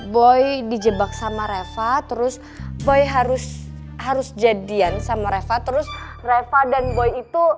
boy dijebak sama reva terus boy harus harus jadian sama reva terus reva dan boy itu